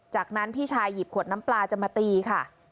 จากนั้นพี่ชายหยิบขวดน้ำปลาจะมาตีค่ะ